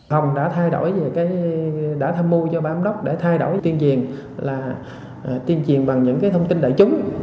hồng đã thay đổi đã tham mưu cho bà ấm đốc để thay đổi tiên triền là tiên triền bằng những thông tin đại chúng